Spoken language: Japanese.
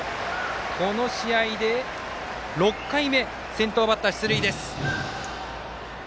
この試合で６回目先頭バッター出塁。